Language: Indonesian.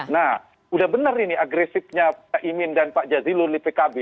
nah sudah benar ini agresifnya pak imin dan pak jazilul di pkb